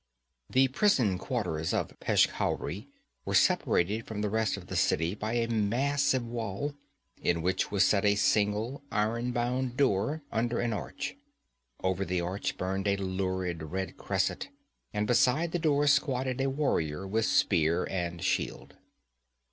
The prison quarters of Peshkhauri were separated from the rest of the city by a massive wall, in which was set a single iron bound door under an arch. Over the arch burned a lurid red cresset, and beside the door squatted a warrior with spear and shield.